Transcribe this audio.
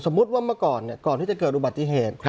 สมมุติว่าเมื่อก่อนเนี่ยก่อนที่จะเกิดอุบัติเหตุ